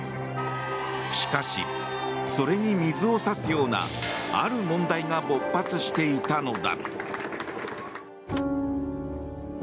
しかし、それに水を差すようなある問題が勃発していたのだ。